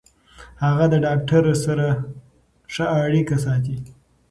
هغه د ډاکټر سره ښه اړیکه ساتي.